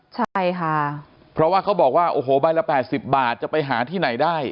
ใช่ค่ะเพราะว่าเขาบอกว่าโอ้โหใบละ๘๐บาทจะไปหาที่ไหนได้